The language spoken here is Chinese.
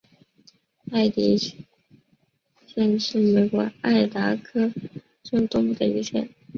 麦迪逊县是美国爱达荷州东部的一个县。